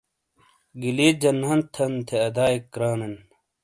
گلیت جنت ہن تھے ادیئک رانن